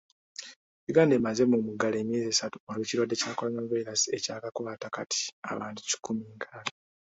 Uganda emaze mu muggalo emyezi esatu olw'ekirwadde kya Coronavirus ekyakakwata kati abantu kikumi nkaaga.